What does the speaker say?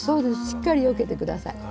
しっかりよけて下さい。